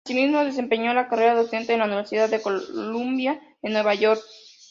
Asimismo, desempeñó la carrera docente en la Universidad de Columbia, en Nueva York.